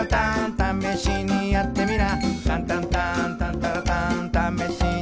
「ためしにやってみな」